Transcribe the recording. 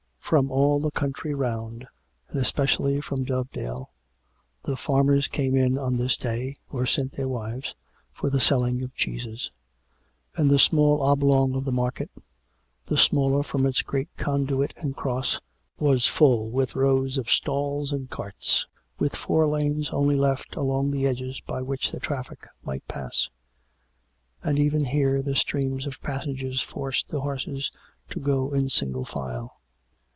From all the country round, and especially from Dovedale, the farmers came in on this day, or sent their wives, for the selling of cheeses; and the small oblong of the market — the smaller from its great Conduit and Cross — was full with rows of stalls and carts, with four lanes only left along the edges by which the traffic might pass ; and even here the streams of passengers forced the horses to go in single file.